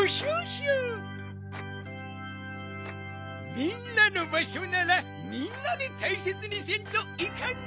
みんなのばしょならみんなでたいせつにせんといかんな。